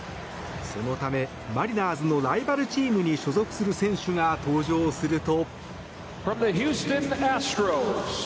そのためマリナーズのライバルチームに所属する選手が登場すると。